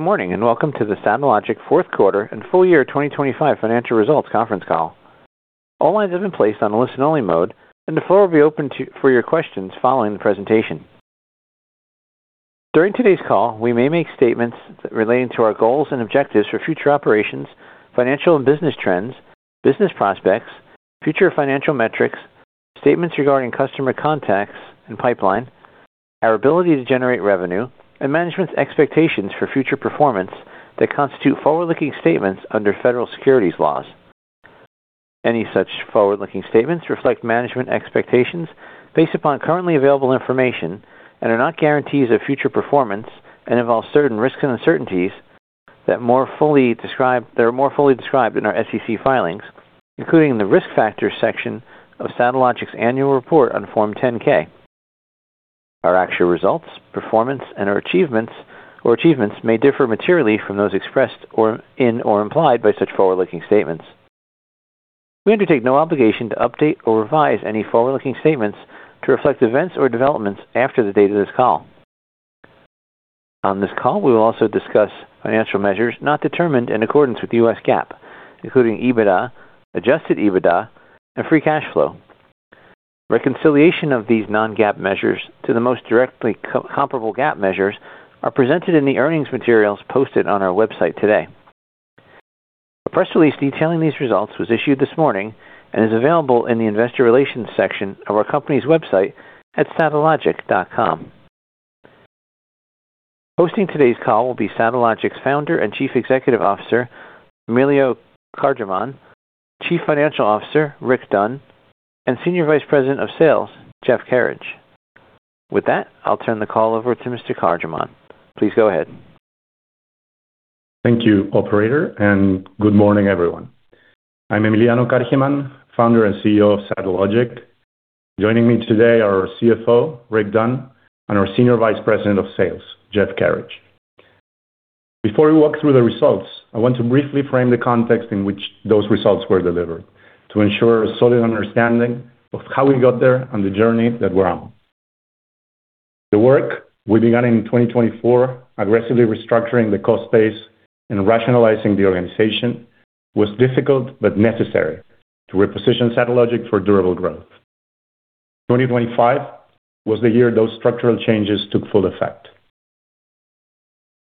Good morning, and welcome to the Satellogic Q4 and full year 2025 financial results conference call. All lines have been placed on listen-only mode, and the floor will be open for your questions following the presentation. During today's call, we may make statements relating to our goals and objectives for future operations, financial and business trends, business prospects, future financial metrics, statements regarding customer contacts and pipeline, our ability to generate revenue, and management's expectations for future performance that constitute forward-looking statements under federal securities laws. Any such forward-looking statements reflect management expectations based upon currently available information and are not guarantees of future performance and involve certain risks and uncertainties that are more fully described in our SEC filings, including the Risk Factors section of Satellogic's annual report on Form 10-K. Our actual results, performance, and our achievements may differ materially from those expressed or implied by such forward-looking statements. We undertake no obligation to update or revise any forward-looking statements to reflect events or developments after the date of this call. On this call, we will also discuss financial measures not determined in accordance with U.S. GAAP, including EBITDA, adjusted EBITDA, and free cash flow. Reconciliation of these non-GAAP measures to the most directly comparable GAAP measures is presented in the earnings materials posted on our website today. A press release detailing these results was issued this morning and is available in the investor relations section of our company's website at satellogic.com. Hosting today's call will be Satellogic's Founder and Chief Executive Officer, Emiliano Kargieman, Chief Financial Officer, Rick Dunn, and Senior Vice President of Sales, Jeff Kerridge. With that, I'll turn the call over to Mr. Kargieman. Please go ahead. Thank you, operator, and good morning, everyone. I'm Emiliano Kargieman, Founder and CEO of Satellogic. Joining me today are our CFO, Rick Dunn, and our Senior Vice President of Sales, Jeff Kerridge. Before we walk through the results, I want to briefly frame the context in which those results were delivered to ensure a solid understanding of how we got there and the journey that we're on. The work we began in 2024, aggressively restructuring the cost base and rationalizing the organization, was difficult but necessary to reposition Satellogic for durable growth. 2025 was the year those structural changes took full effect.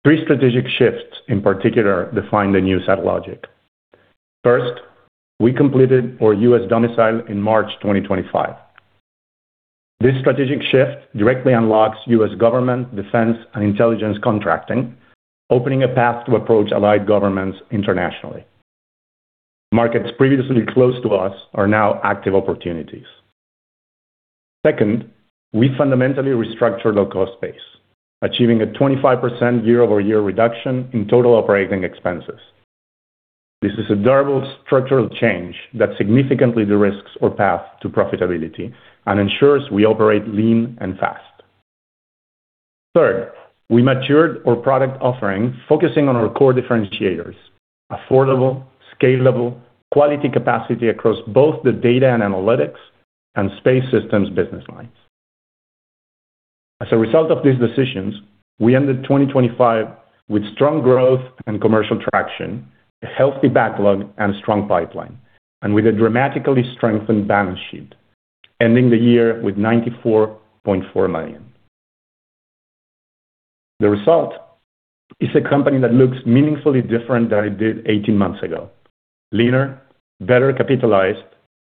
Three strategic shifts, in particular, defined the new Satellogic. First, we completed our U.S. domicile in March 2025. This strategic shift directly unlocks U.S. government, defense, and intelligence contracting, opening a path to approach allied governments internationally. Markets previously closed to us are now active opportunities. Second, we fundamentally restructured our cost base, achieving a 25% year-over-year reduction in total operating expenses. This is a durable structural change that significantly de-risks our path to profitability and ensures we operate lean and fast. Third, we matured our product offering, focusing on our core differentiators, affordable, scalable, quality capacity across both the data and analytics and space systems business lines. As a result of these decisions, we ended 2025 with strong growth and commercial traction, a healthy backlog and a strong pipeline, and with a dramatically strengthened balance sheet, ending the year with $94.4 million. The result is a company that looks meaningfully different than it did 18 months ago. Leaner, better capitalized,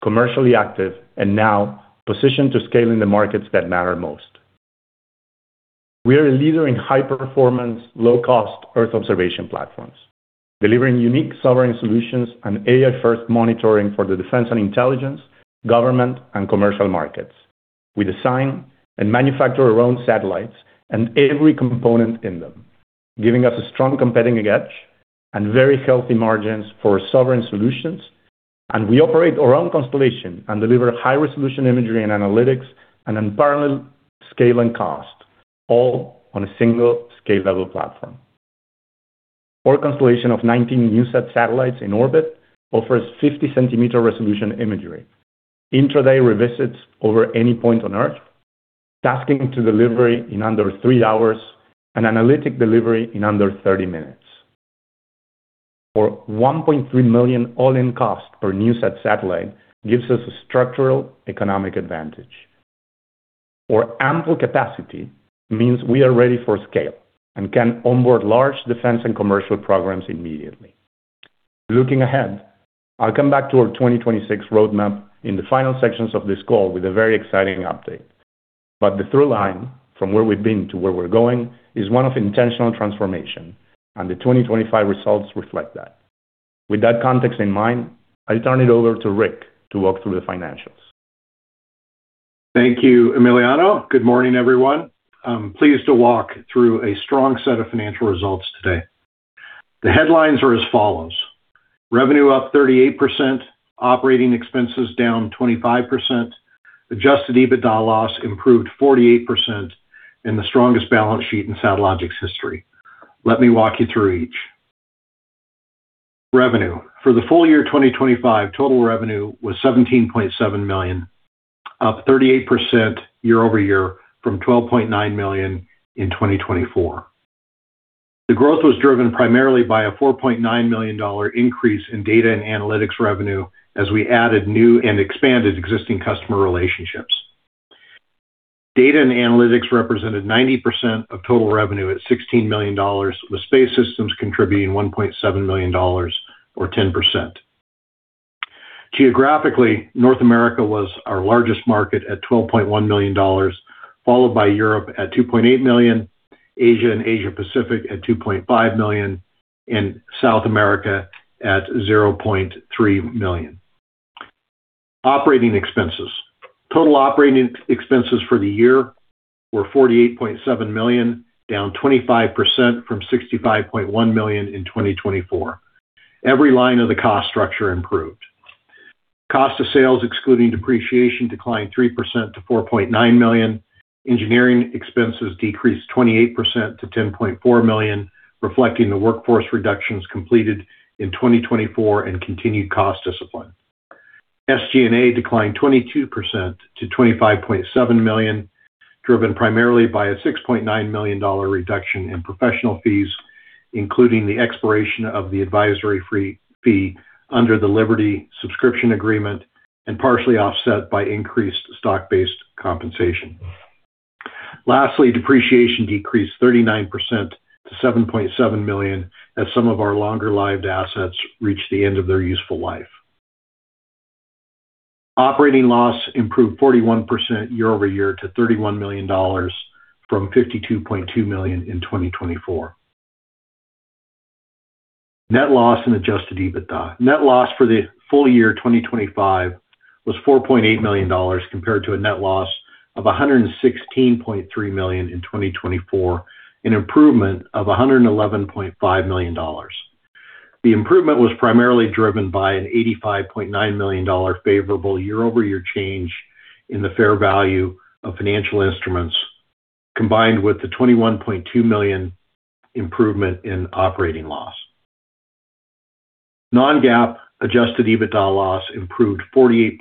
commercially active, and now positioned to scale in the markets that matter most. We are a leader in high-performance, low-cost Earth observation platforms, delivering unique sovereign solutions and AI-first monitoring for the defense and intelligence, government, and commercial markets. We design and manufacture our own satellites and every component in them, giving us a strong competing edge and very healthy margins for sovereign solutions, and we operate our own constellation and deliver high-resolution imagery and analytics at unparalleled scale and cost, all on a single scalable platform. Our constellation of 19 NewSat satellites in orbit offers 50-centimeter resolution imagery, intraday revisits over any point on Earth, tasking to delivery in under three hours, and analytic delivery in under 30 minutes. Our $1.3 million all-in cost per NewSat satellite gives us a structural economic advantage. Our ample capacity means we are ready for scale and can onboard large defense and commercial programs immediately. Looking ahead, I'll come back to our 2026 roadmap in the final sections of this call with a very exciting update. The through line from where we've been to where we're going is one of intentional transformation, and the 2025 results reflect that. With that context in mind, I turn it over to Rick to walk through the financials. Thank you, Emiliano. Good morning, everyone. I'm pleased to walk through a strong set of financial results today. The headlines are as follows: revenue up 38%, operating expenses down 25%, Adjusted EBITDA loss improved 48%, and the strongest balance sheet in Satellogic's history. Let me walk you through each. Revenue. For the full year 2025, total revenue was $17.7 million, up 38% year-over-year from $12.9 million in 2024. The growth was driven primarily by a $4.9 million increase in data and analytics revenue as we added new and expanded existing customer relationships. Data and analytics represented 90% of total revenue at $16 million, with Space Systems contributing $1.7 million or 10%. Geographically, North America was our largest market at $12.1 million, followed by Europe at $2.8 million, Asia and Asia Pacific at $2.5 million, and South America at $0.3 million. Operating expenses. Total operating expenses for the year were $48.7 million, down 25% from $65.1 million in 2024. Every line of the cost structure improved. Cost of sales, excluding depreciation, declined 3% to $4.9 million. Engineering expenses decreased 28% to $10.4 million, reflecting the workforce reductions completed in 2024 and continued cost discipline. SG&A declined 22% to $25.7 million, driven primarily by a $6.9 million reduction in professional fees, including the expiration of the advisory fee under the Liberty subscription agreement and partially offset by increased stock-based compensation. Lastly, depreciation decreased 39% to $7.7 million as some of our longer-lived assets reached the end of their useful life. Operating loss improved 41% year-over-year to $31 million from $52.2 million in 2024. Net loss and adjusted EBITDA. Net loss for the full year 2025 was $4.8 million compared to a net loss of $116.3 million in 2024, an improvement of $111.5 million. The improvement was primarily driven by an $85.9 million favorable year-over-year change in the fair value of financial instruments, combined with the $21.2 million improvement in operating loss. Non-GAAP adjusted EBITDA loss improved 48%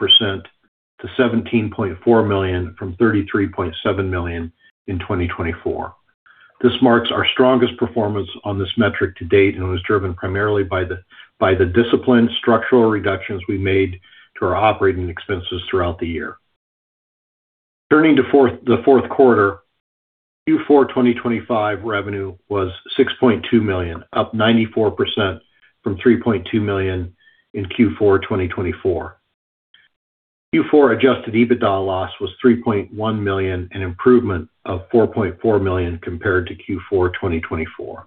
to $17.4 million from $33.7 million in 2024. This marks our strongest performance on this metric to date and was driven primarily by the disciplined structural reductions we made to our operating expenses throughout the year. Turning to the Q4. Q4 2025 revenue was $6.2 million, up 94% from $3.2 million in Q4 2024. Q4 Adjusted EBITDA loss was $3.1 million, an improvement of $4.4 million compared to Q4 2024.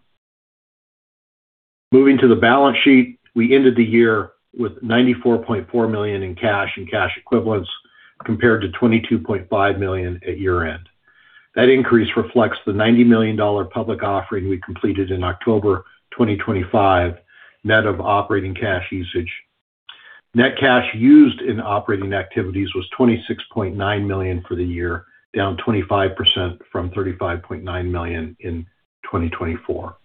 Moving to the balance sheet, we ended the year with $94.4 million in cash and cash equivalents compared to $22.5 million at year-end. That increase reflects the $90 million public offering we completed in October 2025 net of operating cash usage. Net cash used in operating activities was $26.9 million for the year, down 25% from $35.9 million in 2024.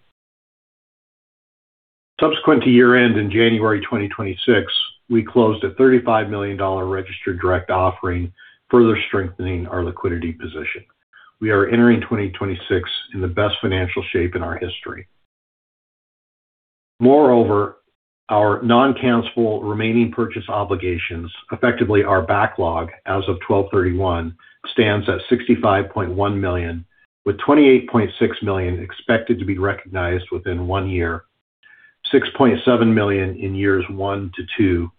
Subsequent to year-end in January 2026, we closed a $35 million registered direct offering, further strengthening our liquidity position. We are entering 2026 in the best financial shape in our history. Moreover, our non-cancelable remaining purchase obligations, effectively our backlog as of 12/31, stands at $65.1 million, with $28.6 million expected to be recognized within one year, $6.7 million in years one to two,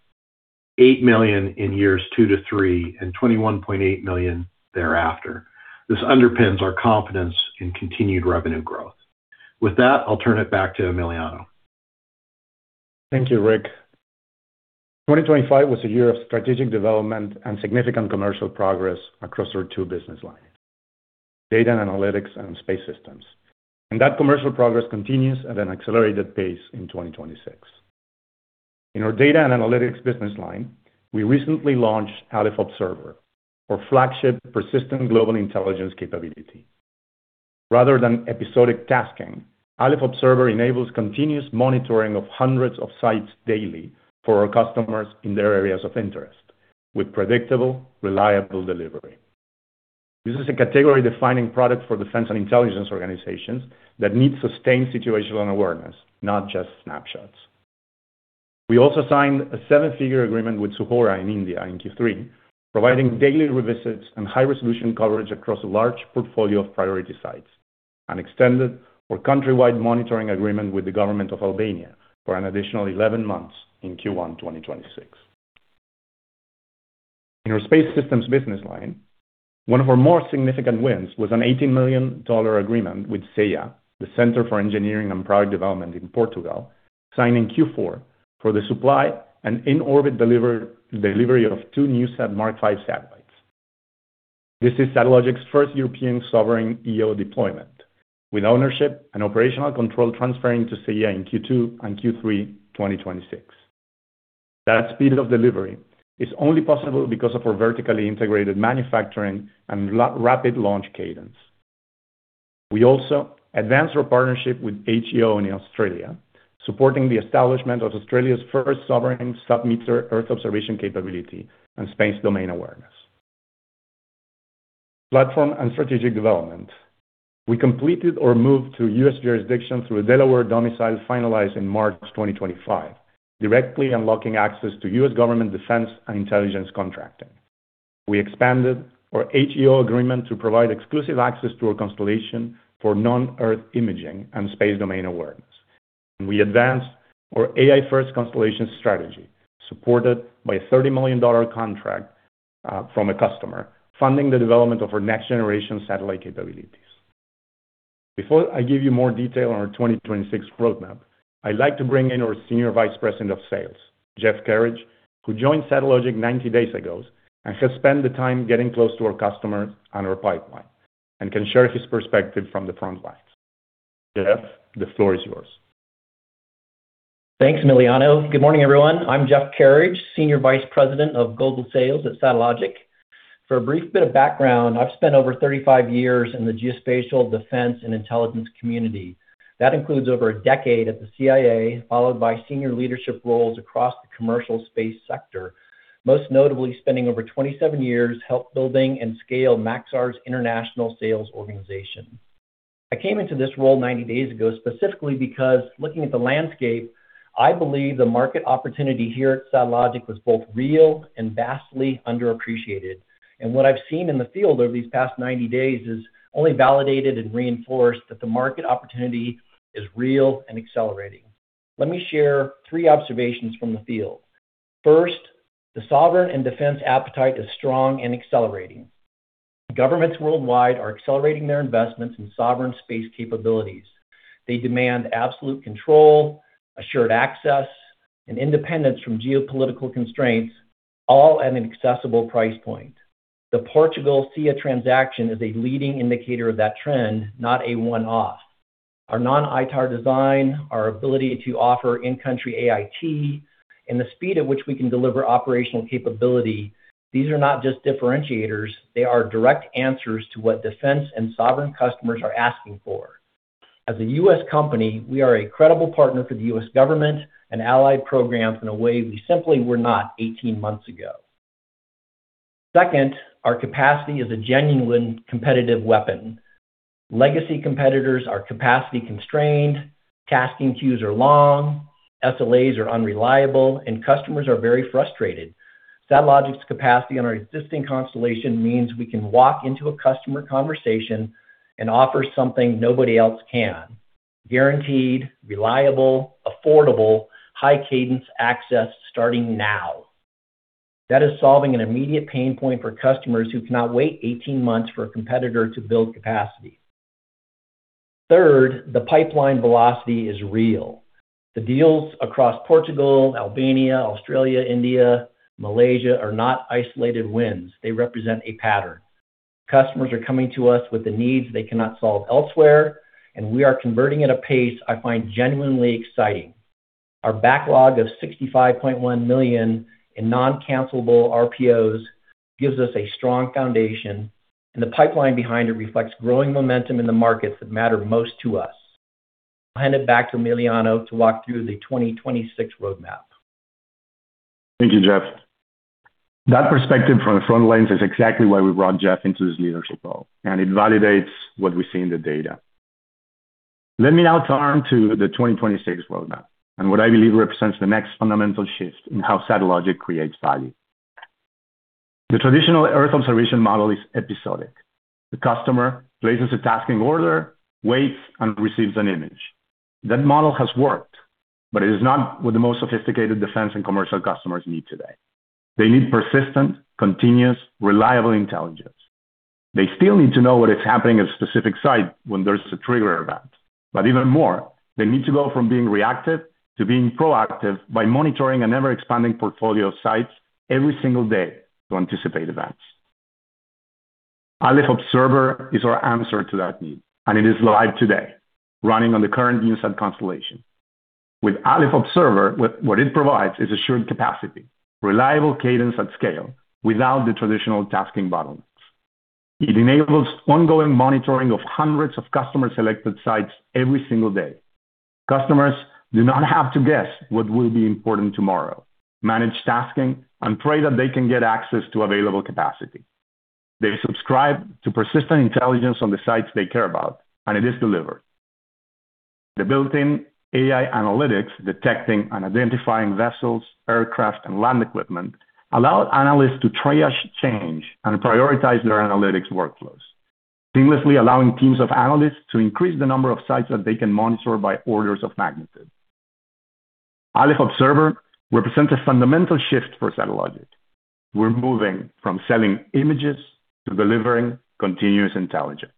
$8 million in years two to three, and $21.8 million thereafter. This underpins our confidence in continued revenue growth. With that, I'll turn it back to Emiliano. Thank you, Rick. 2025 was a year of strategic development and significant commercial progress across our two business lines, data and analytics and space systems. That commercial progress continues at an accelerated pace in 2026. In our data and analytics business line, we recently launched Aleph Observer, our flagship persistent global intelligence capability. Rather than episodic tasking, Aleph Observer enables continuous monitoring of hundreds of sites daily for our customers in their areas of interest with predictable, reliable delivery. This is a category-defining product for defense and intelligence organizations that need sustained situational awareness, not just snapshots. We also signed a seven figure agreement with Suhora in India in Q3, providing daily revisits and high-resolution coverage across a large portfolio of priority sites, and extended our countrywide monitoring agreement with the government of Albania for an additional 11 months in Q1, 2026. In our space systems business line, one of our more significant wins was an $80 million agreement with CEiiA, the Centre of Engineering and Product Development in Portugal, signed in Q4 for the supply and in-orbit delivery of two NewSat Mark-V satellites. This is Satellogic's first European sovereign EO deployment, with ownership and operational control transferring to CEiiA in Q2 and Q3 2026. That speed of delivery is only possible because of our vertically integrated manufacturing and rapid launch cadence. We also advanced our partnership with HEO in Australia, supporting the establishment of Australia's first sovereign sub-meter Earth observation capability and space domain awareness. Platform and strategic development. We completed our move to U.S. jurisdiction through a Delaware domicile finalized in March 2025, directly unlocking access to U.S. government defense and intelligence contracting. We expanded our HEO agreement to provide exclusive access to our constellation for non-Earth imaging and space domain awareness. We advanced our AI-first constellation strategy, supported by a $30 million contract from a customer, funding the development of our next-generation satellite capabilities. Before I give you more detail on our 2026 roadmap, I'd like to bring in our Senior Vice President of Sales, Jeff Kerridge, who joined Satellogic 90 days ago and has spent the time getting close to our customers and our pipeline and can share his perspective from the front line. Jeff, the floor is yours. Thanks, Emiliano. Good morning, everyone. I'm Jeff Kerridge, Senior Vice President of Global Sales at Satellogic. For a brief bit of background, I've spent over 35 years in the geospatial defense and intelligence community. That includes over a decade at the CIA, followed by senior leadership roles across the commercial space sector. Most notably spending over 27 years helping to build and scale Maxar's international sales organization. I came into this role 90 days ago specifically because looking at the landscape, I believe the market opportunity here at Satellogic was both real and vastly underappreciated. What I've seen in the field over these past 90 days has only validated and reinforced that the market opportunity is real and accelerating. Let me share three observations from the field. First, the sovereign and defense appetite is strong and accelerating. Governments worldwide are accelerating their investments in sovereign space capabilities. They demand absolute control, assured access, and independence from geopolitical constraints, all at an accessible price point. The Portugal CEiiA transaction is a leading indicator of that trend, not a one-off. Our non-ITAR design, our ability to offer in-country AIT, and the speed at which we can deliver operational capability, these are not just differentiators, they are direct answers to what defense and sovereign customers are asking for. As a U.S. company, we are a credible partner for the U.S. government and allied programs in a way we simply were not 18 months ago. Second, our capacity is a genuine competitive weapon. Legacy competitors are capacity-constrained, tasking queues are long, SLAs are unreliable, and customers are very frustrated. Satellogic's capacity on our existing constellation means we can walk into a customer conversation and offer something nobody else can. Guaranteed, reliable, affordable, high-cadence access starting now. That is solving an immediate pain point for customers who cannot wait 18 months for a competitor to build capacity. Third, the pipeline velocity is real. The deals across Portugal, Albania, Australia, India, Malaysia are not isolated wins. They represent a pattern. Customers are coming to us with the needs they cannot solve elsewhere, and we are converting at a pace I find genuinely exciting. Our backlog of $65.1 million in non-cancelable RPOs gives us a strong foundation, and the pipeline behind it reflects growing momentum in the markets that matter most to us. I'll hand it back to Emiliano to walk through the 2026 roadmap. Thank you, Jeff. That perspective from the front lines is exactly why we brought Jeff into this leadership role, and it validates what we see in the data. Let me now turn to the 2026 roadmap and what I believe represents the next fundamental shift in how Satellogic creates value. The traditional Earth observation model is episodic. The customer places a tasking order, waits, and receives an image. That model has worked, but it is not what the most sophisticated defense and commercial customers need today. They need persistent, continuous, reliable intelligence. They still need to know what is happening at a specific site when there's a trigger event. Even more, they need to go from being reactive to being proactive by monitoring an ever-expanding portfolio of sites every single day to anticipate events. Aleph Observer is our answer to that need, and it is live today, running on the current NewSat constellation. With Aleph Observer, what it provides is assured capacity, reliable cadence at scale without the traditional tasking bottlenecks. It enables ongoing monitoring of hundreds of customer-selected sites every single day. Customers do not have to guess what will be important tomorrow, manage tasking and pray that they can get access to available capacity. They subscribe to persistent intelligence on the sites they care about, and it is delivered. The built-in AI analytics detecting and identifying vessels, aircraft, and land equipment allow analysts to triage change and prioritize their analytics workflows. Seamlessly allowing teams of analysts to increase the number of sites that they can monitor by orders of magnitude. Aleph Observer represents a fundamental shift for Satellogic. We're moving from selling images to delivering continuous intelligence.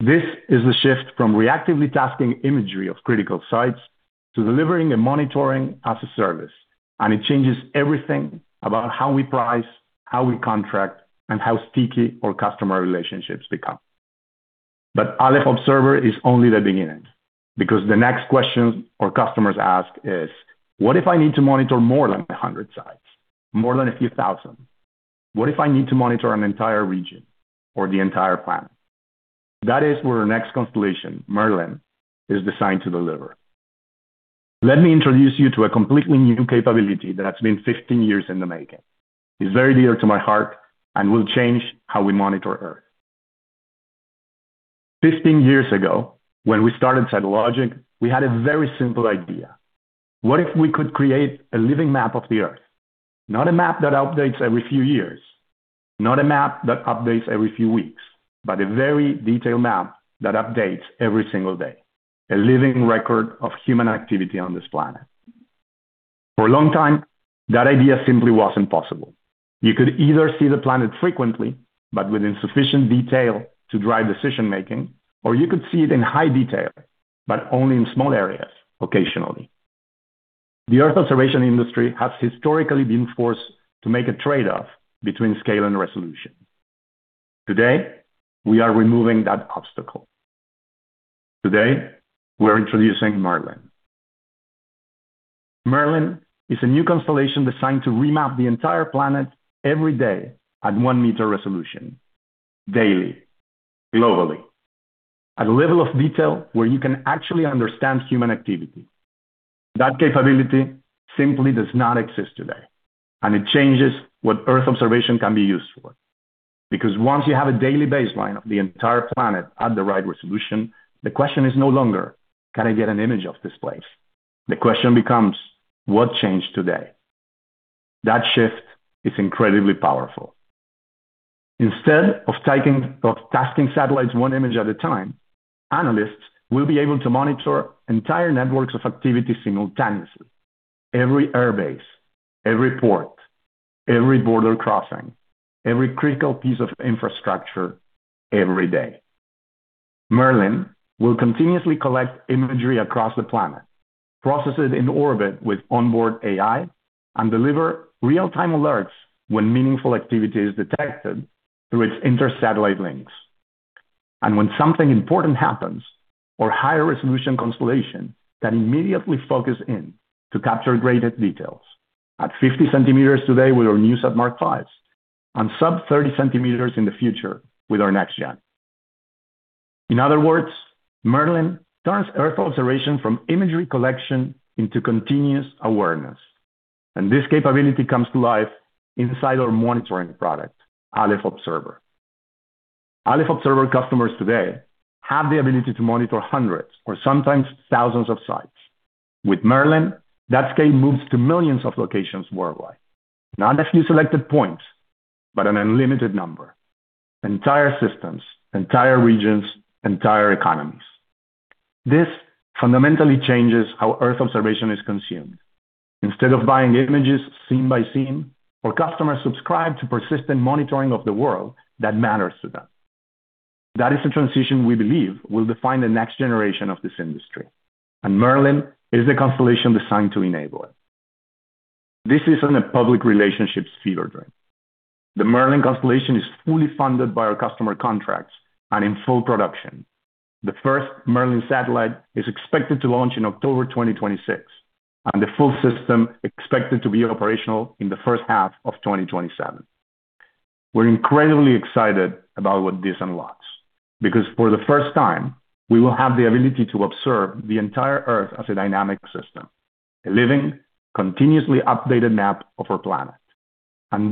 This is a shift from reactively tasking imagery of critical sites to delivering and monitoring as a service, and it changes everything about how we price, how we contract, and how sticky our customer relationships become. Aleph Observer is only the beginning because the next question our customers ask is, "What if I need to monitor more than 100 sites? More than a few thousand? What if I need to monitor an entire region or the entire planet?" That is where our next constellation, Merlin, is designed to deliver. Let me introduce you to a completely new capability that has been 15 years in the making. It's very dear to my heart and will change how we monitor Earth. 15 years ago, when we started Satellogic, we had a very simple idea. What if we could create a living map of the Earth? Not a map that updates every few years, not a map that updates every few weeks, but a very detailed map that updates every single day. A living record of human activity on this planet. For a long time, that idea simply wasn't possible. You could either see the planet frequently but with insufficient detail to drive decision-making, or you could see it in high detail, but only in small areas occasionally. The Earth observation industry has historically been forced to make a trade-off between scale and resolution. Today, we are removing that obstacle. Today, we're introducing Merlin. Merlin is a new constellation designed to remap the entire planet every day at one-meter resolution daily, globally, at a level of detail where you can actually understand human activity. That capability simply does not exist today, and it changes what Earth observation can be used for. Because once you have a daily baseline of the entire planet at the right resolution, the question is no longer, "Can I get an image of this place?" The question becomes, "What changed today?" That shift is incredibly powerful. Instead of tasking satellites one image at a time, analysts will be able to monitor entire networks of activity simultaneously. Every airbase, every port, every border crossing, every critical piece of infrastructure every day. Merlin will continuously collect imagery across the planet, process it in orbit with onboard AI, and deliver real-time alerts when meaningful activity is detected through its inter-satellite links. When something important happens, our higher resolution constellation that immediately focus in to capture greater details. At 50 centimeters today with our NewSat Mark-V, and sub-30 cm in the future with our next-gen. In other words, Merlin turns Earth observation from imagery collection into continuous awareness. This capability comes to life inside our monitoring product, Aleph Observer. Aleph Observer customers today have the ability to monitor hundreds or sometimes thousands of sites. With Merlin, that scale moves to millions of locations worldwide. Not a few selected points, but an unlimited number. Entire systems, entire regions, entire economies. This fundamentally changes how Earth observation is consumed. Instead of buying images scene by scene, customers subscribe to persistent monitoring of the world that matters to them. That is a transition we believe will define the next generation of this industry, and Merlin is the constellation designed to enable it. This isn't a public relations fever dream. The Merlin constellation is fully funded by our customer contracts and in full production. The first Merlin satellite is expected to launch in October 2026, and the full system expected to be operational in the first half of 2027. We're incredibly excited about what this unlocks. Because for the first time, we will have the ability to observe the entire Earth as a dynamic system, a living, continuously updated map of our planet.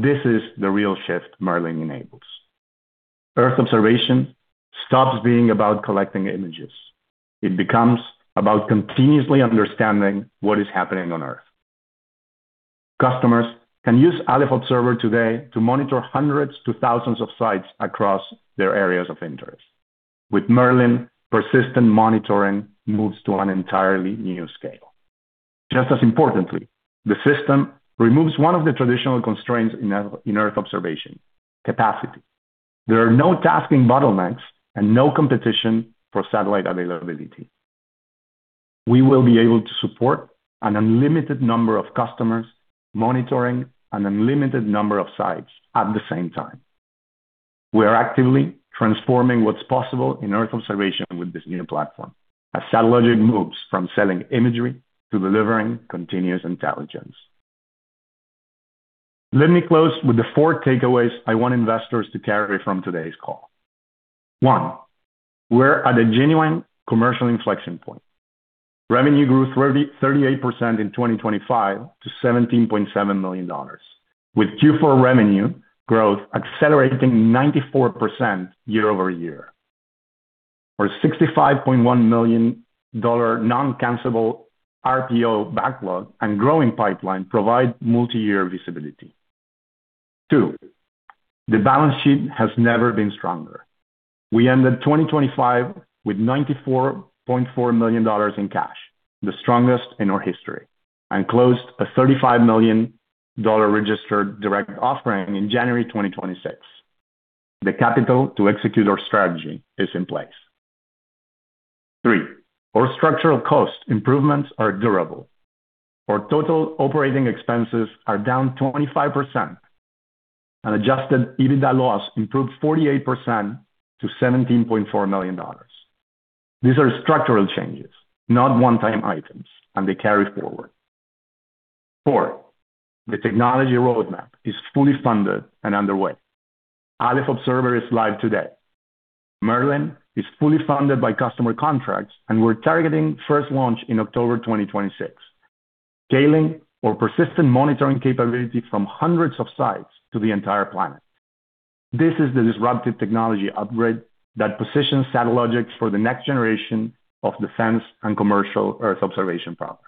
This is the real shift Merlin enables. Earth observation stops being about collecting images. It becomes about continuously understanding what is happening on Earth. Customers can use Aleph Observer today to monitor hundreds to thousands of sites across their areas of interest. With Merlin, persistent monitoring moves to an entirely new scale. Just as importantly, the system removes one of the traditional constraints in Earth observation, capacity. There are no tasking bottlenecks and no competition for satellite availability. We will be able to support an unlimited number of customers monitoring an unlimited number of sites at the same time. We are actively transforming what's possible in Earth observation with this new platform as Satellogic moves from selling imagery to delivering continuous intelligence. Let me close with the four takeaways I want investors to carry from today's call. One, we're at a genuine commercial inflection point. Revenue grew 38% in 2025 to $17.7 million with Q4 revenue growth accelerating 94% year-over-year. Our $65.1 million non-cancellable RPO backlog and growing pipeline provide multi-year visibility. Two, the balance sheet has never been stronger. We ended 2025 with $94.4 million in cash, the strongest in our history, and closed a $35 million registered direct offering in January 2026. The capital to execute our strategy is in place. Three, our structural cost improvements are durable. Our total operating expenses are down 25% and adjusted EBITDA loss improved 48% to $17.4 million. These are structural changes, not one-time items, and they carry forward. Four, the technology roadmap is fully funded and underway. Aleph Observer is live today. Merlin is fully funded by customer contracts, and we're targeting first launch in October 2026. Scaling our persistent monitoring capability from hundreds of sites to the entire planet. This is the disruptive technology upgrade that positions Satellogic for the next generation of defense and commercial Earth observation problems.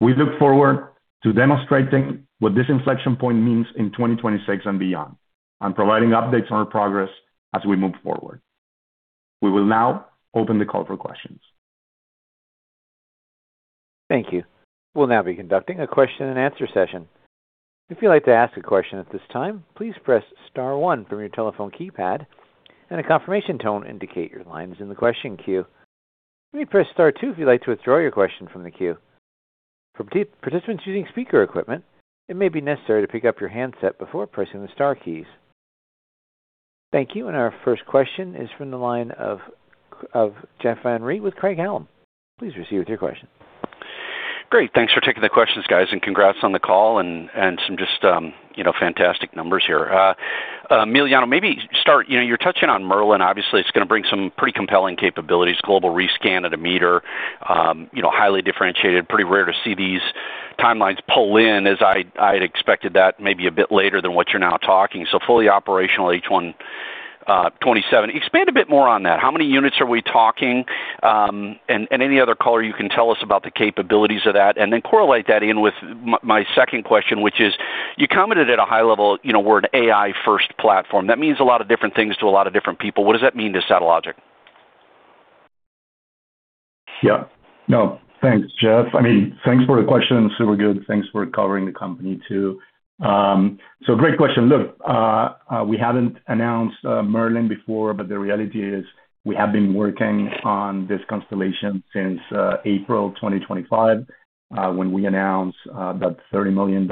We look forward to demonstrating what this inflection point means in 2026 and beyond and providing updates on our progress as we move forward. We will now open the call for questions. Thank you. We'll now be conducting a question and answer session. If you'd like to ask a question at this time, please press star one from your telephone keypad, and a confirmation tone will indicate your line is in the question queue. You may press star two if you'd like to withdraw your question from the queue. For participants using speaker equipment, it may be necessary to pick up your handset before pressing the star keys. Thank you. Our first question is from the line of Jeff Van Rhee with Craig-Hallum. Please proceed with your question. Great. Thanks for taking the questions, guys. Congrats on the call and some just, you know, fantastic numbers here. Emiliano, maybe start, you know, you're touching on Merlin. Obviously, it's gonna bring some pretty compelling capabilities, global rescan at a meter, you know, highly differentiated, pretty rare to see these timelines pull in as I'd expected that maybe a bit later than what you're now talking. Fully operational H1 2027. Expand a bit more on that. How many units are we talking? And any other color you can tell us about the capabilities of that, and then correlate that in with my second question, which is, you commented at a high level, you know, we're an AI-first platform. That means a lot of different things to a lot of different people. What does that mean to Satellogic? Yeah. No. Thanks, Jeff. I mean, thanks for the question. Super good. Thanks for covering the company too. Great question. Look, we haven't announced Merlin before, but the reality is we have been working on this constellation since April 2025, when we announced that $30 million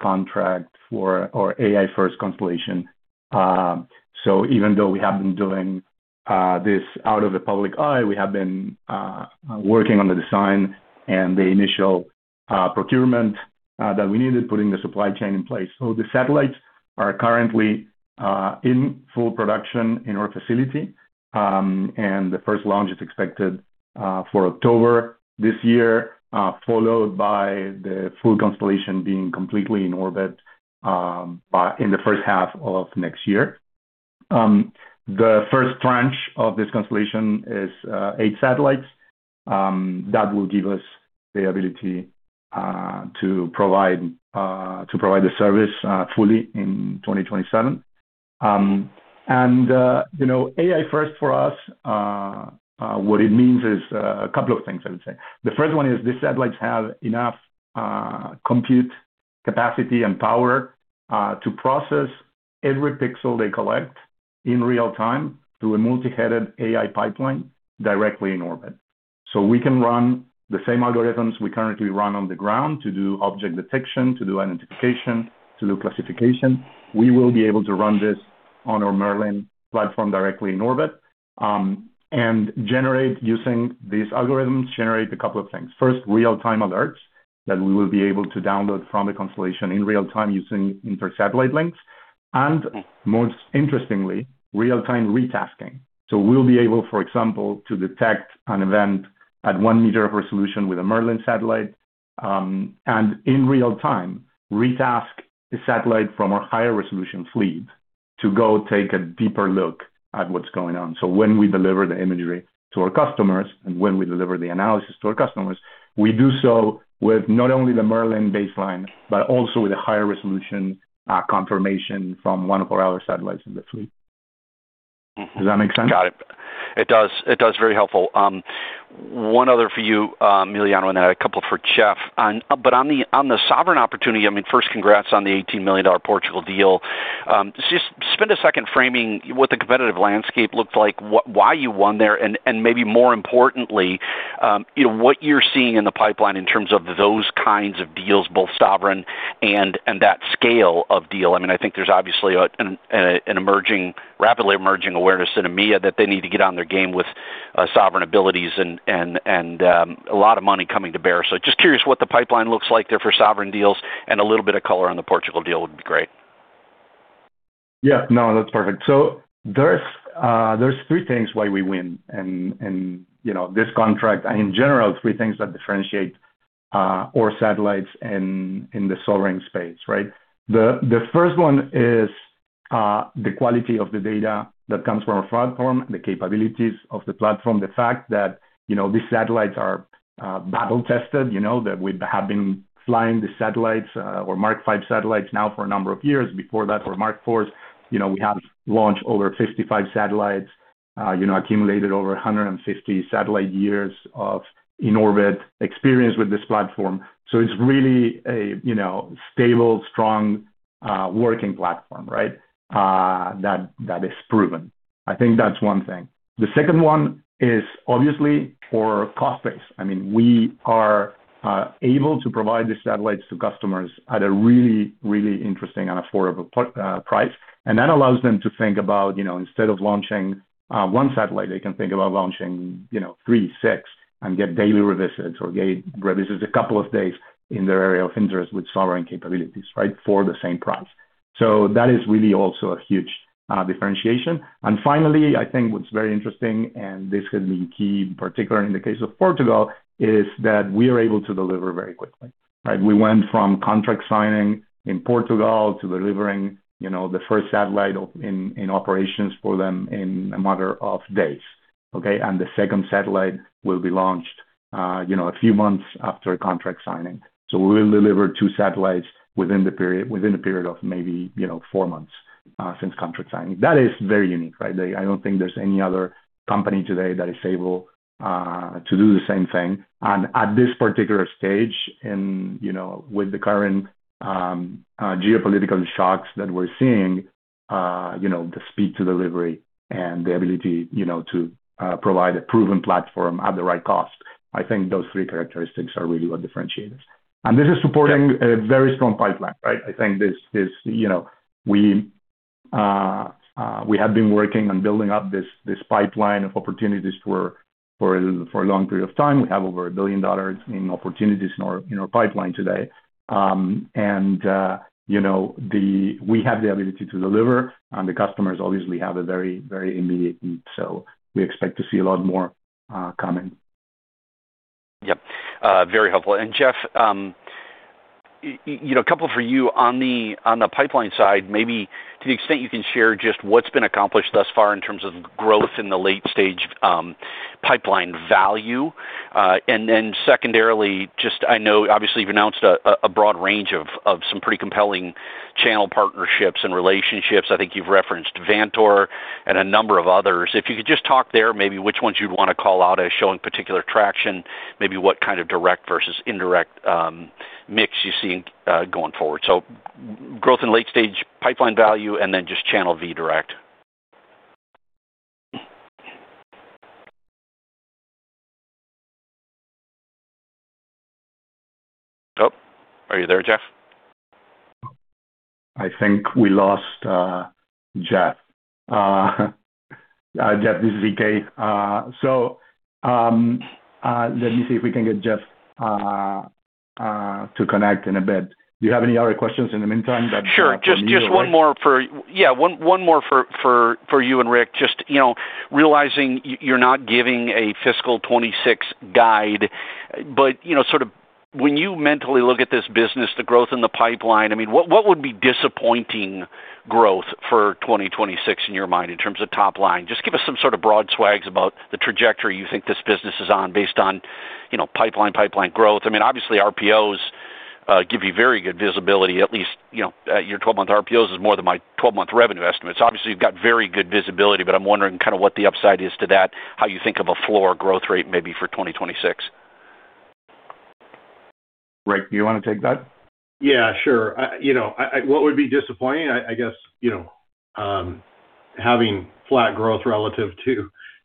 contract for our AI-first constellation. Even though we have been doing this out of the public eye, we have been working on the design and the initial procurement that we needed, putting the supply chain in place. The satellites are currently in full production in our facility, and the first launch is expected for October this year, followed by the full constellation being completely in orbit in the first half of next year. The first tranche of this constellation is eight satellites that will give us the ability to provide the service fully in 2027. You know, AI-first for us, what it means is a couple of things, I would say. The first one is these satellites have enough compute capacity and power to process every pixel they collect in real time through a multi-headed AI pipeline directly in orbit. We can run the same algorithms we currently run on the ground to do object detection, to do identification, to do classification. We will be able to run this on our Merlin platform directly in orbit and generate using these algorithms a couple of things. First, real-time alerts that we will be able to download from the constellation in real time using inter-satellite links. Most interestingly, real-time retasking. We'll be able, for example, to detect an event at one meter of resolution with a Merlin satellite, and in real time, retask the satellite from our higher resolution fleet to go take a deeper look at what's going on. When we deliver the imagery to our customers and when we deliver the analysis to our customers, we do so with not only the Merlin baseline, but also with a higher resolution confirmation from one of our other satellites in the fleet. Does that make sense? Got it. It does. Very helpful. One other for you, Emiliano, and a couple for Jeff. On the sovereign opportunity, I mean, first congrats on the $18 million Portugal deal. Just spend a second framing what the competitive landscape looked like, why you won there, and maybe more importantly, you know, what you're seeing in the pipeline in terms of those kinds of deals, both sovereign and that scale of deal. I mean, I think there's obviously a rapidly emerging awareness in EMEA that they need to get on their game with sovereign abilities and a lot of money coming to bear. Just curious what the pipeline looks like there for sovereign deals, and a little bit of color on the Portugal deal would be great. Yeah. No, that's perfect. There's three things why we win and, you know, this contract, in general, three things that differentiate our satellites in the sovereign space, right? The first one is the quality of the data that comes from our platform, the capabilities of the platform, the fact that, you know, these satellites are battle-tested, you know. That we have been flying the satellites or Mark-V satellites now for a number of years. Before that, our Mark-IVs. You know, we have launched over 55 satellites, you know, accumulated over 150 satellite years of in-orbit experience with this platform. It's really a, you know, stable, strong, working platform, right? That is proven. I think that's one thing. The second one is obviously our cost base. I mean, we are able to provide these satellites to customers at a really interesting and affordable price. That allows them to think about, you know, instead of launching one satellite, they can think about launching, you know, three, six, and get daily revisits or get revisits a couple of days in their area of interest with sovereign capabilities, right, for the same price. That is really also a huge differentiation. Finally, I think what's very interesting, and this can be key, particularly in the case of Portugal, is that we are able to deliver very quickly, right? We went from contract signing in Portugal to delivering, you know, the first satellite in operations for them in a matter of days, okay? The second satellite will be launched, you know, a few months after contract signing. We will deliver two satellites within the period, within a period of maybe, you know, four months, since contract signing. That is very unique, right? I don't think there's any other company today that is able to do the same thing. At this particular stage in, you know, with the current, geopolitical shocks that we're seeing, you know, the speed to delivery and the ability, you know, to, provide a proven platform at the right cost, I think those three characteristics are really what differentiates. This is supporting a very strong pipeline, right? I think this is, you know, we have been working on building up this pipeline of opportunities for a long period of time. We have over $1 billion in opportunities in our pipeline today. You know, we have the ability to deliver, and the customers obviously have a very, very immediate need. We expect to see a lot more coming. Yep. Very helpful. Jeff, you know, a couple for you. On the pipeline side, maybe to the extent you can share just what's been accomplished thus far in terms of growth in the late-stage pipeline value. Then secondarily, just I know obviously you've announced a broad range of some pretty compelling channel partnerships and relationships. I think you've referenced Vantor and a number of others. If you could just talk there, maybe which ones you'd wanna call out as showing particular traction, maybe what kind of direct versus indirect mix you see going forward. Growth in late-stage pipeline value and then just channel vs. direct. Oh, are you there, Jeff? I think we lost Jeff. Jeff, this is EK. Let me see if we can get Jeff to connect in a bit. Do you have any other questions in the meantime that- Sure. Just one more for you and Rick. Yeah. One more for you and Rick. Just, you know, realizing you're not giving a fiscal 2026 guide. You know, sort of when you mentally look at this business, the growth in the pipeline, I mean, what would be disappointing growth for 2026 in your mind in terms of top line? Just give us some sort of broad swags about the trajectory you think this business is on based on, you know, pipeline growth. I mean, obviously RPOs give you very good visibility. At least, you know, your 12-month RPOs is more than my 12-month revenue estimates. Obviously, you've got very good visibility, but I'm wondering kinda what the upside is to that, how you think of a floor growth rate maybe for 2026. Rick, do you wanna take that? Yeah, sure. You know, what would be disappointing? I guess, you know, having flat growth relative to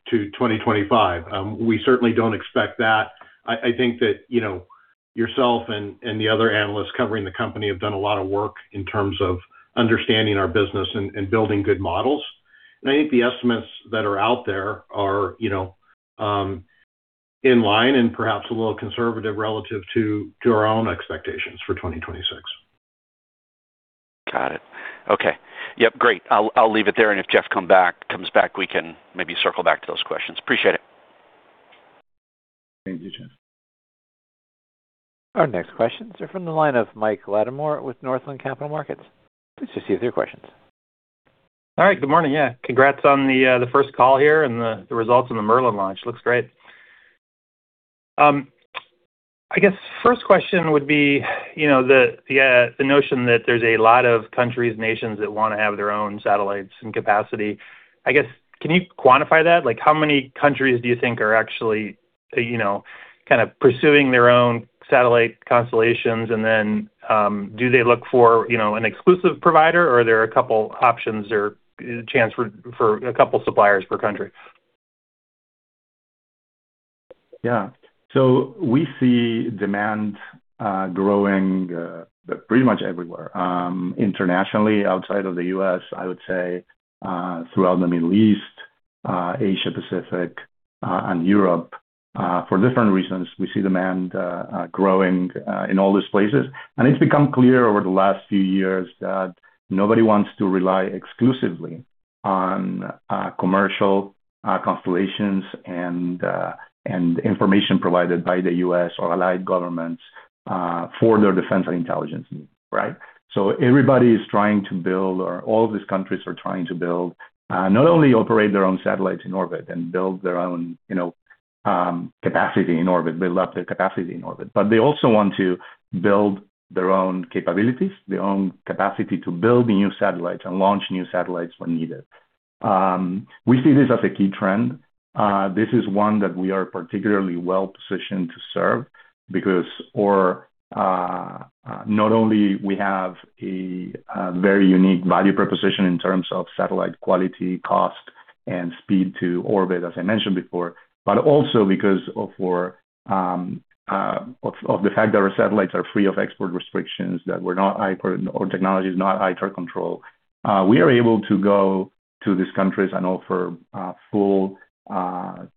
2025. We certainly don't expect that. I think that, you know, yourself and the other analysts covering the company have done a lot of work in terms of understanding our business and building good models. I think the estimates that are out there are, you know, in line and perhaps a little conservative relative to our own expectations for 2026. Got it. Okay. Yep, great. I'll leave it there, and if Jeff comes back, we can maybe circle back to those questions. Appreciate it. Thank you, Jeff. Our next questions are from the line of Mike Latimore with Northland Capital Markets. Please proceed with your questions. All right. Good morning. Yeah. Congrats on the first call here and the results on the Merlin launch. Looks great. I guess first question would be, you know, the notion that there's a lot of countries, nations that wanna have their own satellites and capacity. I guess, can you quantify that? Like, how many countries do you think are actually, you know, kind of pursuing their own satellite constellations? Then, do they look for, you know, an exclusive provider, or are there a couple options or chance for a couple suppliers per country? Yeah. We see demand growing pretty much everywhere. Internationally, outside of the U.S., I would say, throughout the Middle East, Asia-Pacific, and Europe. For different reasons, we see demand growing in all these places. It's become clear over the last few years that nobody wants to rely exclusively on commercial constellations and information provided by the U.S. or allied governments for their defense and intelligence needs, right? All of these countries are trying to build not only operate their own satellites in orbit and build their own, you know, capacity in orbit, but they also want to build their own capabilities, their own capacity to build new satellites and launch new satellites when needed. We see this as a key trend. This is one that we are particularly well-positioned to serve because not only we have a very unique value proposition in terms of satellite quality, cost, and speed to orbit, as I mentioned before, but also because of the fact that our satellites are free of export restrictions, that we're not ITAR or our technology is not ITAR-controlled. We are able to go to these countries and offer full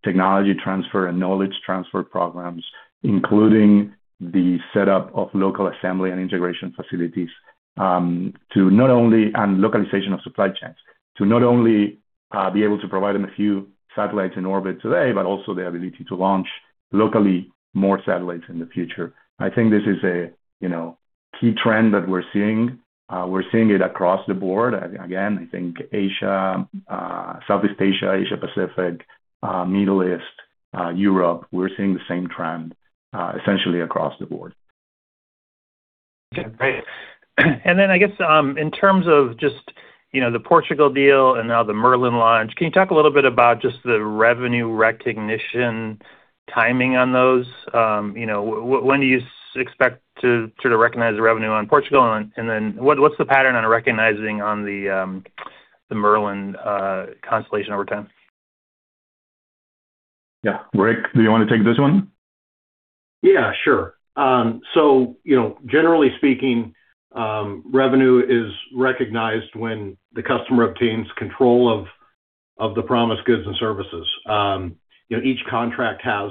technology transfer and knowledge transfer programs, including the setup of local assembly and integration facilities and localization of supply chains to not only be able to provide them a few satellites in orbit today, but also the ability to launch locally more satellites in the future. I think this is a, you know, key trend that we're seeing. We're seeing it across the board. Again, I think Asia, Southeast Asia Pacific, Middle East, Europe, we're seeing the same trend, essentially across the board. Okay, great. I guess, in terms of just, you know, the Portugal deal and now the Merlin launch, can you talk a little bit about just the revenue recognition timing on those? You know, when do you expect to, sort of recognize the revenue on Portugal? What's the pattern on recognizing on the Merlin constellation over time? Yeah. Rick, do you wanna take this one? Yeah, sure. So you know, generally speaking, revenue is recognized when the customer obtains control of the promised goods and services. You know, each contract has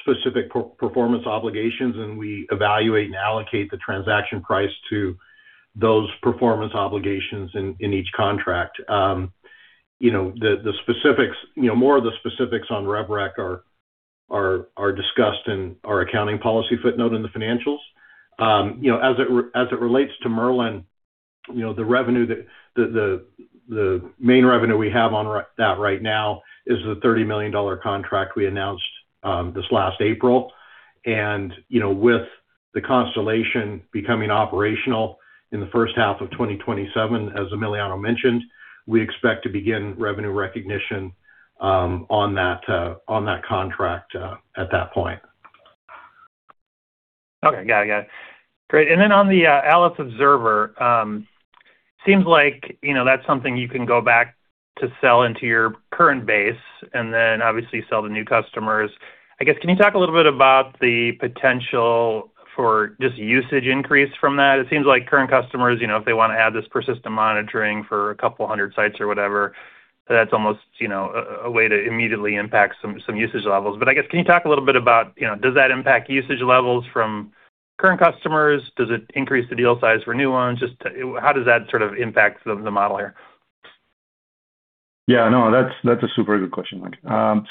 specific performance obligations, and we evaluate and allocate the transaction price to those performance obligations in each contract. You know, the specifics, you know, more of the specifics on rev rec are discussed in our accounting policy footnote in the financials. You know, as it relates to Merlin, you know, the revenue that the main revenue we have on that right now is the $30 million contract we announced this last April. You know, with the constellation becoming operational in the first half of 2027, as Emiliano mentioned, we expect to begin revenue recognition on that contract at that point. Okay. Got it. Great. Then on the Aleph Observer, seems like, you know, that's something you can go back to sell into your current base and then obviously sell to new customers. I guess, can you talk a little bit about the potential for just usage increase from that? It seems like current customers, you know, if they wanna add this persistent monitoring for a couple hundred sites or whatever, that's almost, you know, a way to immediately impact some usage levels. But I guess, can you talk a little bit about, you know, does that impact usage levels from current customers? Does it increase the deal size for new ones? Just how does that sort of impact the model here? Yeah. No, that's a super good question, Mike.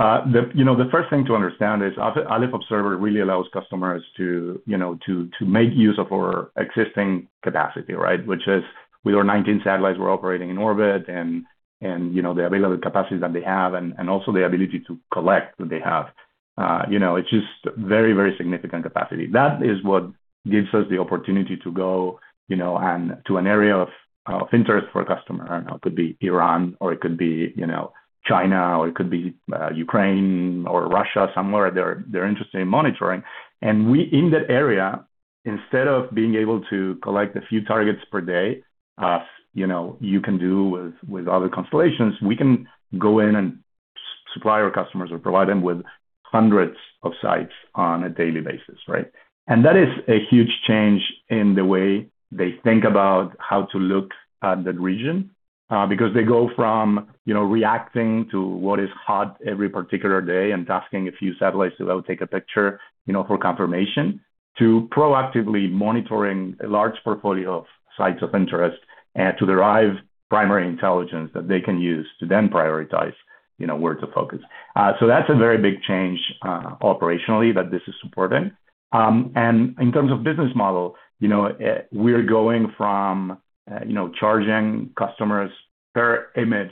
The first thing to understand is Aleph Observer really allows customers to, you know, to make use of our existing capacity, right? Which is with our 19 satellites we're operating in orbit and, you know, the available capacity that they have and also the ability to collect that they have. You know, it's just very significant capacity. That is what gives us the opportunity to go, you know, and to an area of interest for a customer. I don't know, it could be Iran, or it could be, you know, China, or it could be Ukraine or Russia, somewhere they're interested in monitoring. In that area, instead of being able to collect a few targets per day, you know, you can do with other constellations, we can go in and supply our customers or provide them with hundreds of sites on a daily basis, right? That is a huge change in the way they think about how to look at that region. Because they go from, you know, reacting to what is hot every particular day and tasking a few satellites to go take a picture, you know, for confirmation, to proactively monitoring a large portfolio of sites of interest, to derive primary intelligence that they can use to then prioritize, you know, where to focus. That's a very big change operationally that this is supporting. In terms of business model, you know, we're going from, you know, charging customers per image,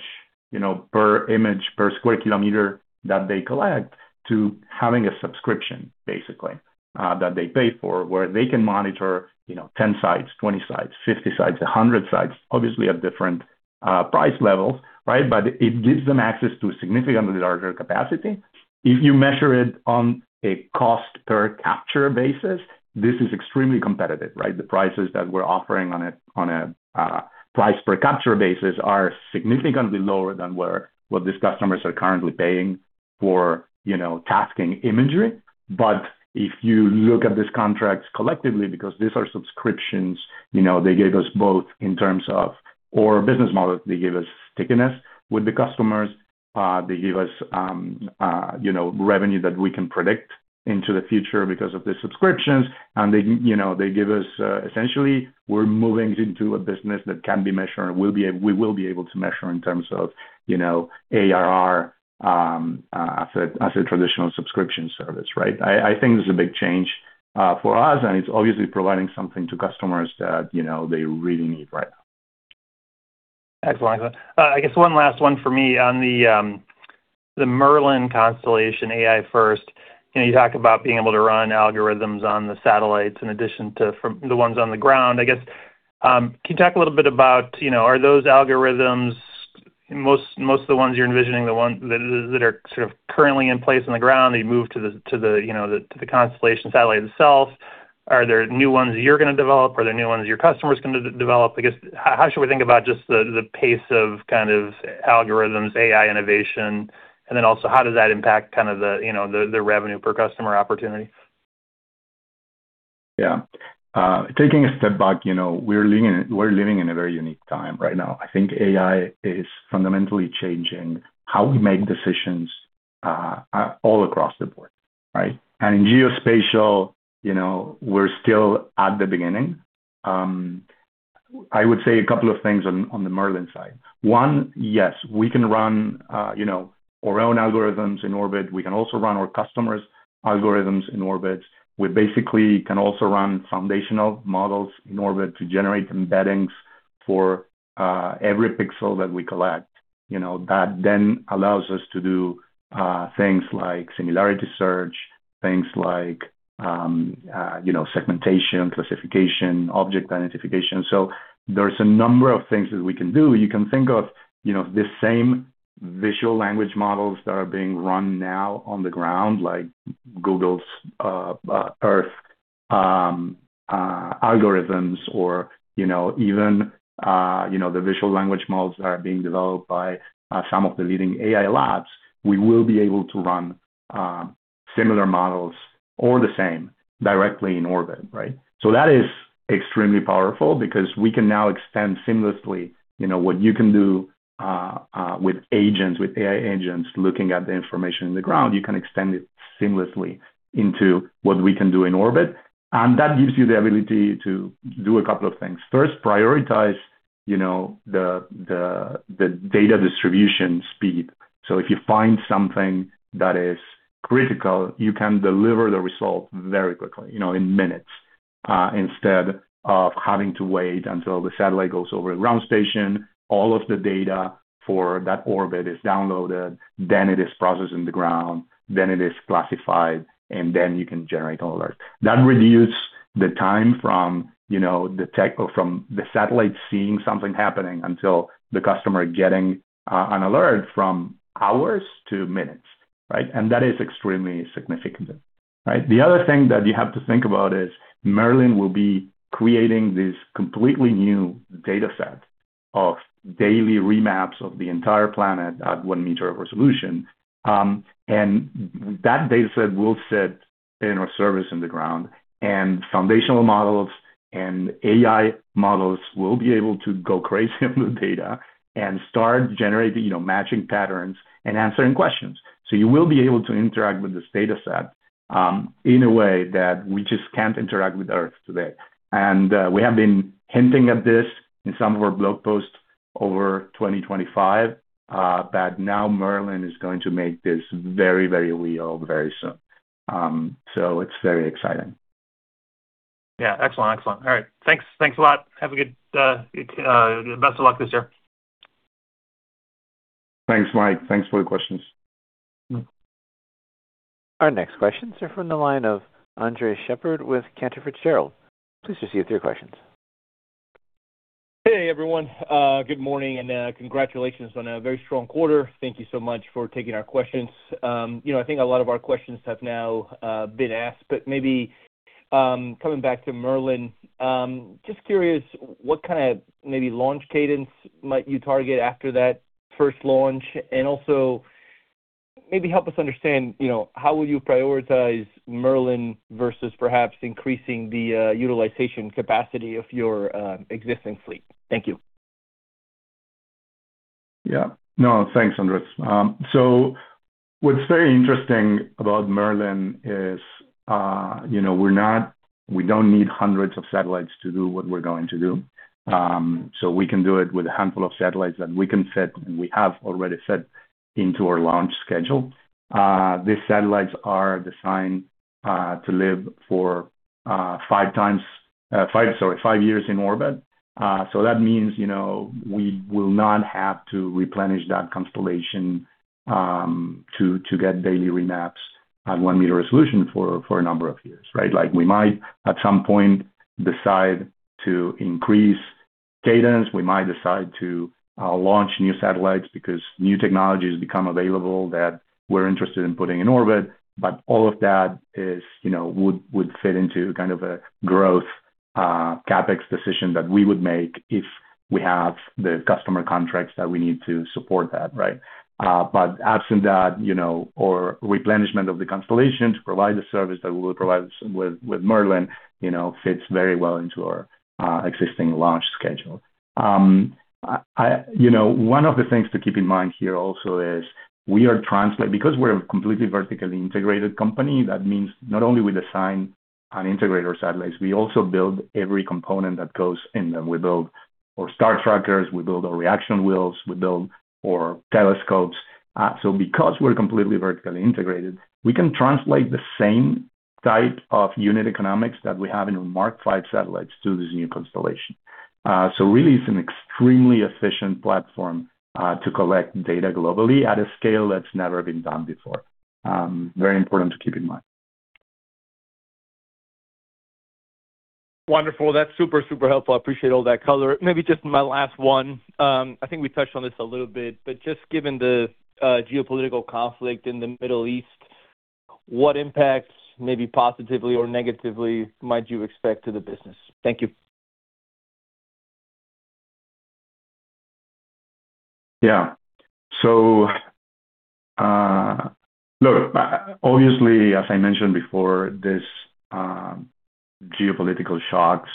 per square kilometer that they collect, to having a subscription basically, that they pay for, where they can monitor, you know, 10 sites, 20 sites, 50 sites, 100 sites, obviously at different price levels, right? It gives them access to a significantly larger capacity. If you measure it on a cost per capture basis, this is extremely competitive, right? The prices that we're offering on a price per capture basis are significantly lower than what these customers are currently paying for, you know, tasking imagery. If you look at these contracts collectively, because these are subscriptions, you know, they give us both in terms of our business model, they give us stickiness with the customers, they give us, you know, revenue that we can predict into the future because of the subscriptions. They give us, you know, essentially we're moving into a business that can be measured and we will be able to measure in terms of, you know, ARR, as a traditional subscription service, right? I think this is a big change for us, and it's obviously providing something to customers that, you know, they really need right now. Excellent. I guess one last one for me on the the Merlin constellation AI first, you know, you talk about being able to run algorithms on the satellites in addition to from the ones on the ground. I guess, can you talk a little bit about, you know, are those algorithms most of the ones you're envisioning, the ones that are sort of currently in place on the ground, they move to the constellation satellite itself. Are there new ones that you're gonna develop? Are there new ones your customers can develop? I guess, how should we think about just the pace of kind of algorithms, AI innovation? Then also how does that impact kind of the revenue per customer opportunity? Yeah. Taking a step back, you know, we're living in a very unique time right now. I think AI is fundamentally changing how we make decisions all across the board, right? In geospatial, you know, we're still at the beginning. I would say a couple of things on the Merlin side. One, yes, we can run our own algorithms in orbit. We can also run our customers' algorithms in orbit. We basically can also run foundational models in orbit to generate embeddings for every pixel that we collect. You know, that then allows us to do things like similarity search, things like you know, segmentation, classification, object identification. There's a number of things that we can do. You can think of, you know, the same visual language models that are being run now on the ground, like Google's Earth algorithms or, you know, even, you know, the visual language models that are being developed by some of the leading AI labs. We will be able to run similar models or the same directly in orbit, right? That is extremely powerful because we can now extend seamlessly, you know, what you can do with agents, with AI agents looking at the information on the ground. You can extend it seamlessly into what we can do in orbit, and that gives you the ability to do a couple of things. First, prioritize, you know, the data distribution speed. If you find something that is critical, you can deliver the result very quickly, you know, in minutes, instead of having to wait until the satellite goes over a ground station, all of the data for that orbit is downloaded, then it is processed on the ground, then it is classified, and then you can generate an alert. That reduces the time from, you know, detect or from the satellite seeing something happening until the customer getting, an alert from hours to minutes, right? That is extremely significant. Right? The other thing that you have to think about is Merlin will be creating this completely new data set of daily remaps of the entire planet at one meter of resolution. That data set will sit in our service on the ground, and foundational models and AI models will be able to go crazy on the data and start generating, you know, matching patterns and answering questions. You will be able to interact with this data set in a way that we just can't interact with Earth today. We have been hinting at this in some of our blog posts over 2025, but now Merlin is going to make this very, very real very soon. It's very exciting. Yeah. Excellent. All right. Thanks. Thanks a lot. Have a good, best of luck this year. Thanks, Mike. Thanks for the questions. Our next questions are from the line of Andres Sheppard with Cantor Fitzgerald. Please proceed with your questions. Hey, everyone. Good morning, and congratulations on a very strong quarter. Thank you so much for taking our questions. You know, I think a lot of our questions have now been asked, but maybe coming back to Merlin, just curious what kind of maybe launch cadence might you target after that first launch? And also maybe help us understand, you know, how will you prioritize Merlin versus perhaps increasing the utilization capacity of your existing fleet? Thank you. Yeah. No, thanks, Andres. What's very interesting about Merlin is, you know, we don't need hundreds of satellites to do what we're going to do. We can do it with a handful of satellites that we can set, and we have already set into our launch schedule. These satellites are designed to live for five years in orbit. That means, you know, we will not have to replenish that constellation to get daily remaps at one meter resolution for a number of years, right? Like, we might at some point decide to increase cadence. We might decide to launch new satellites because new technologies become available that we're interested in putting in orbit. All of that, you know, would fit into kind of a growth CapEx decision that we would make if we have the customer contracts that we need to support that, right? Absent that, you know, or replenishment of the constellation to provide the service that we will provide with Merlin, you know, fits very well into our existing launch schedule. One of the things to keep in mind here also is because we're a completely vertically integrated company, that means not only we design and integrate our satellites, we also build every component that goes in them. We build our star trackers, we build our reaction wheels, we build our telescopes. Because we're completely vertically integrated, we can translate the same type of unit economics that we have in our Mark-V satellites to this new constellation. Really it's an extremely efficient platform to collect data globally at a scale that's never been done before. Very important to keep in mind. Wonderful. That's super helpful. I appreciate all that color. Maybe just my last one. I think we touched on this a little bit, but just given the geopolitical conflict in the Middle East, what impacts, maybe positively or negatively, might you expect to the business? Thank you. Yeah. Look, obviously, as I mentioned before, this geopolitical shocks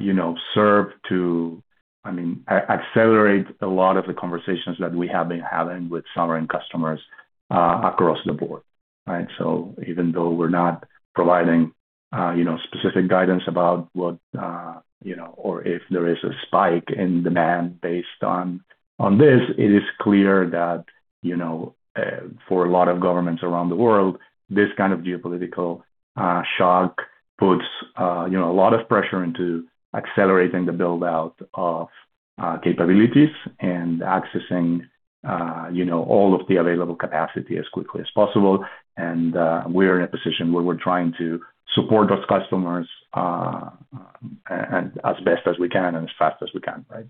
you know serve to, I mean, accelerate a lot of the conversations that we have been having with sovereign customers across the board, right? Even though we're not providing you know specific guidance about what you know or if there is a spike in demand based on this, it is clear that you know for a lot of governments around the world, this kind of geopolitical shock puts you know a lot of pressure into accelerating the build-out of capabilities and accessing you know all of the available capacity as quickly as possible. We're in a position where we're trying to support those customers and as best as we can and as fast as we can, right?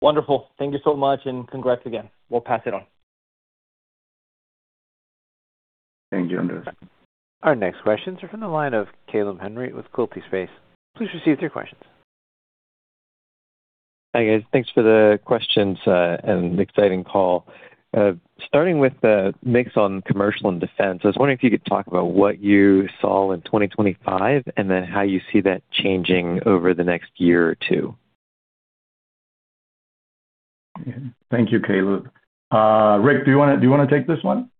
Wonderful. Thank you so much, and congrats again. We'll pass it on. Thank you, Andres. Our next questions are from the line of Caleb Henry with Quilty Space. Please proceed with your questions. Hi, guys. Thanks for the questions and exciting call. Starting with the mix on commercial and defense, I was wondering if you could talk about what you saw in 2025 and then how you see that changing over the next year or two? Thank you, Caleb. Rick, do you wanna take this one?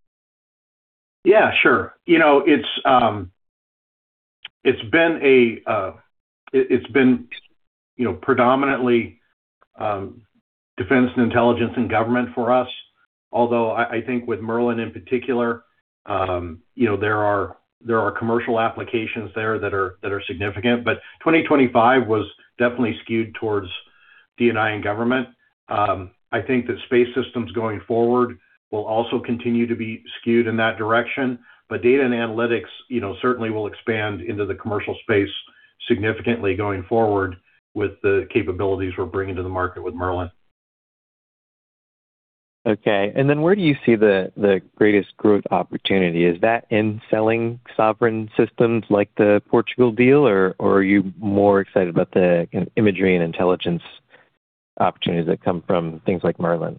Yeah, sure. You know, it's been, you know, predominantly defense and intelligence and government for us. Although I think with Merlin in particular, you know, there are commercial applications there that are significant. 2025 was definitely skewed towards DNI and government. I think that space systems going forward will also continue to be skewed in that direction. Data and analytics, you know, certainly will expand into the commercial space significantly going forward with the capabilities we're bringing to the market with Merlin. Okay. Where do you see the greatest growth opportunity? Is that in selling sovereign systems like the Portugal deal, or are you more excited about the imagery and intelligence opportunities that come from things like Merlin?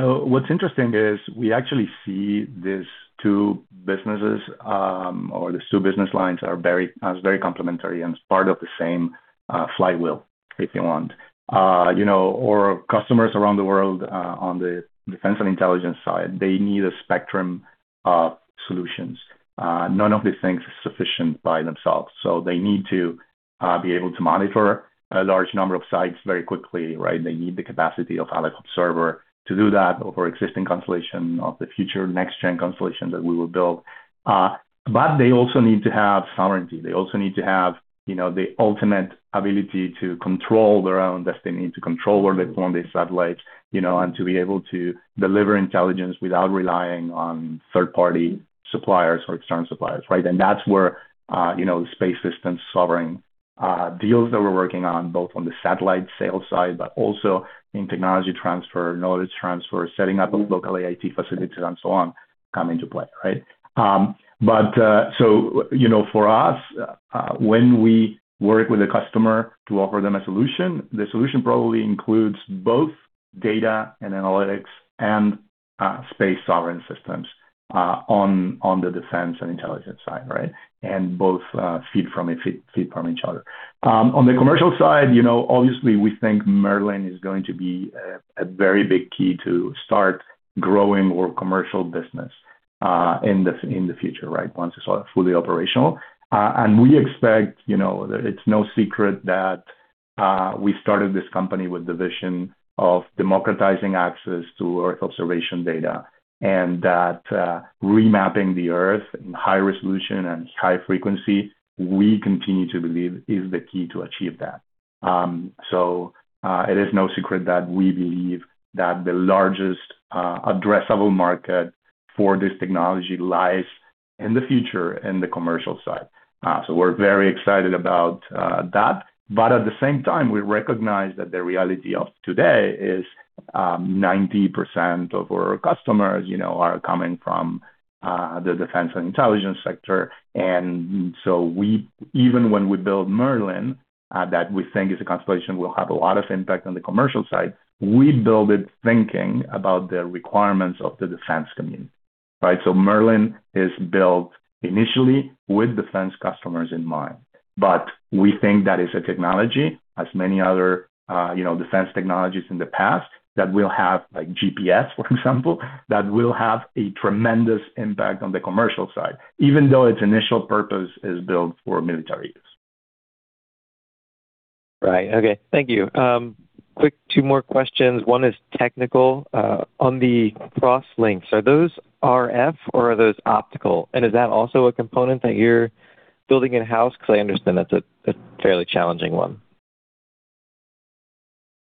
What's interesting is we actually see these two businesses, or these two business lines are very complementary and part of the same flywheel, if you want. You know, our customers around the world, on the defense and intelligence side, they need a spectrum of solutions. None of these things is sufficient by themselves. They need to be able to monitor a large number of sites very quickly, right? They need the capacity of a server to do that over existing constellation of the future next gen constellation that we will build. But they also need to have sovereignty. They also need to have, you know, the ultimate ability to control their own destiny, to control where they form their satellites, you know, and to be able to deliver intelligence without relying on third-party suppliers or external suppliers, right? That's where, you know, sovereign space systems deals that we're working on, both on the satellite sales side, but also in technology transfer, knowledge transfer, setting up local AIT facilities and so on, come into play, right? You know, for us, when we work with a customer to offer them a solution, the solution probably includes both data and analytics and, sovereign space systems, on the defense and intelligence side, right? Both feed from it, feed from each other. On the commercial side, you know, obviously, we think Merlin is going to be a very big key to start growing our commercial business, in the future, right? Once it's fully operational. We expect, you know, it's no secret that we started this company with the vision of democratizing access to Earth observation data, and that remapping the Earth in high resolution and high frequency, we continue to believe is the key to achieve that. It is no secret that we believe that the largest addressable market for this technology lies in the future in the commercial side. We're very excited about that. At the same time, we recognize that the reality of today is 90% of our customers, you know, are coming from the defense and intelligence sector. We even when we build Merlin that we think is a constellation will have a lot of impact on the commercial side, we build it thinking about the requirements of the defense community, right? Merlin is built initially with defense customers in mind. We think that is a technology, as many other, you know, defense technologies in the past that will have, like GPS, for example, that will have a tremendous impact on the commercial side, even though its initial purpose is built for military use. Right. Okay. Thank you. Quick two more questions. One is technical. On the cross links, are those RF or are those optical? And is that also a component that you're building in-house claim, that's a fairly challenging one.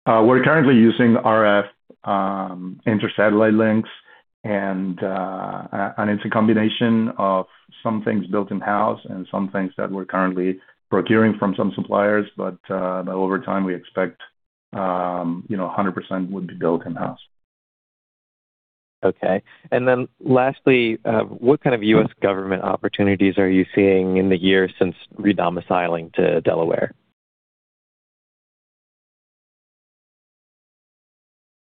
We're currently using RF intersatellite links and it's a combination of some things built in-house and some things that we're currently procuring from some suppliers. Over time, we expect, you know, 100% would be built in-house. Okay. Lastly, what kind of U.S. government opportunities are you seeing in the years since redomiciling to Delaware?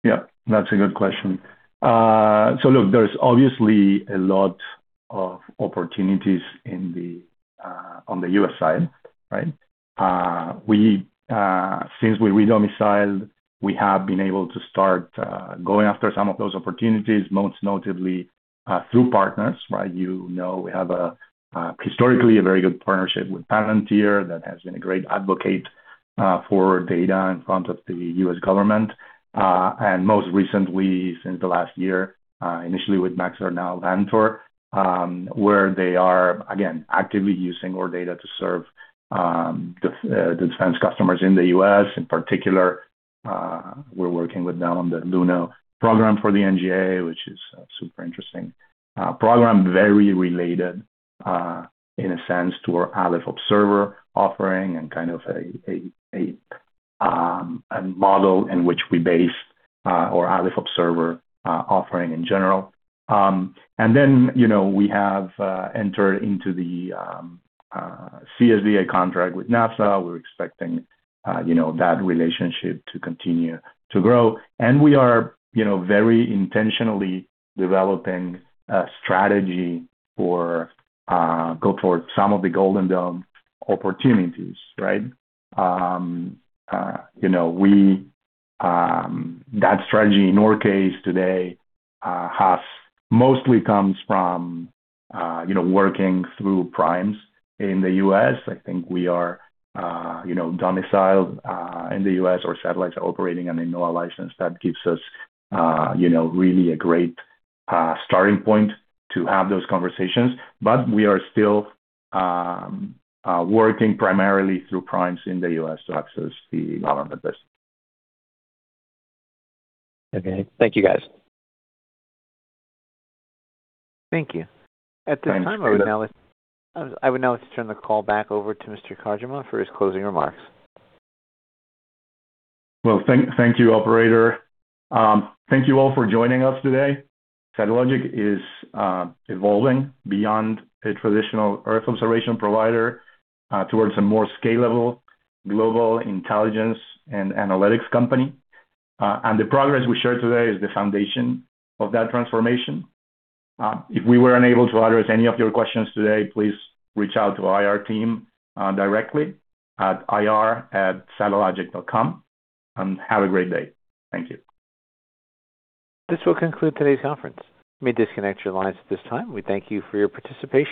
Yeah, that's a good question. Look, there's obviously a lot of opportunities in the on the U.S. side, right? Since we re-domiciled, we have been able to start going after some of those opportunities, most notably through partners, right? You know, we have historically a very good partnership with Palantir that has been a great advocate for data in front of the U.S. government. Most recently, since the last year, initially with Maxar, now Vantor, where they are again actively using our data to serve the defense customers in the U.S. In particular, we're working with them on the Luno program for the NGA, which is super interesting. Program very related, in a sense, to our Aleph Observer offering and kind of a model in which we base our Aleph Observer offering in general. Then, you know, we have entered into the CSDA contract with NASA. We're expecting, you know, that relationship to continue to grow. We are, you know, very intentionally developing a strategy for go towards some of the Golden Dome opportunities, right? You know, that strategy in our case today has mostly comes from, you know, working through primes in the U.S. I think we are, you know, domiciled in the U.S. Our satellites are operating on a NOAA license that gives us, you know, really a great starting point to have those conversations. We are still working primarily through primes in the U.S. to access the government desk. Okay. Thank you, guys. Thank you. At this time, I would now. Thanks, Caleb. I would now turn the call back over to Mr. Kargieman for his closing remarks. Well, thank you, operator. Thank you all for joining us today. Satellogic is evolving beyond a traditional Earth observation provider towards a more scalable global intelligence and analytics company. The progress we shared today is the foundation of that transformation. If we were unable to address any of your questions today, please reach out to our IR team directly at ir@satellogic.com. Have a great day. Thank you. This will conclude today's conference. You may disconnect your lines at this time. We thank you for your participation.